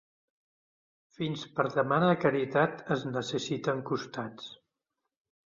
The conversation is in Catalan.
Fins per demanar caritat es necessiten costats.